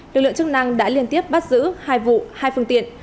lực lượng chức năng đã liên tiếp bắt giữ hai vụ hai phương tiện